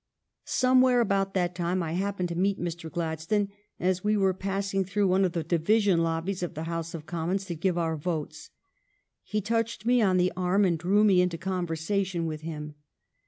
Somewhere about that time I happened to meet Mr. Gladstone, as we were passing through one of the division lobbies of the House of Commons to give our votes. He touched me on the arm and drew me into conversation with him.